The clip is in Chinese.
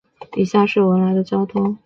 以下是文莱的交通